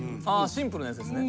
シンプルなやつですね。